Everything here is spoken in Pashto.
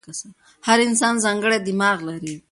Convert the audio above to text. هر انسان ځانګړی دماغ لري.